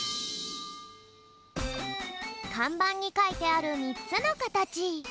かんばんにかいてある３つのかたち。